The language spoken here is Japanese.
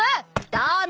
ダメ！